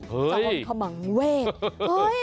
เฮ้ย